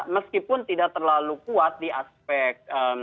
meskipun tidak terlalu kuat di aspek